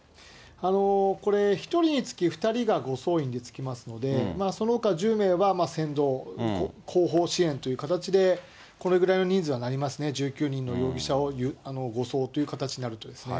これ、１人につき２人が護送員でつきますので、そのほか１０名は先導、後方支援という形でこれぐらいの人数にはなりますね、１９人も容疑者を護送という形になると。